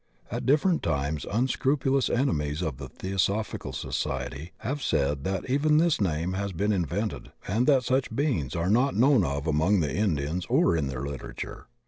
At different times unscrupulous enemies of the Theosophical Society have said that even this name had been invented and that such beings are not known of among the Indians or in their literature.